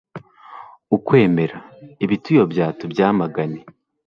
ukwemera, ibituyobya tubyamagane